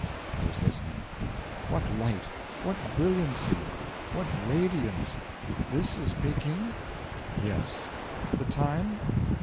I was listening. 'What light! what brilliancy! what radiance!... This is Peking?' 'Yes.' 'The time?'